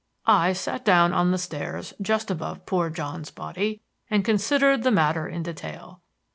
"I sat down on the stairs just above poor John's body and considered the matter in detail.